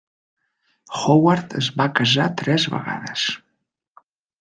Howard es va casar tres vegades.